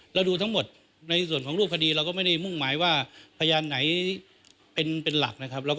แล้วดูทั้งหมดในส่วนของคุณผู้พิการยิงภาทคนควรขว่าพยานไหนเป็นหลักนะครับ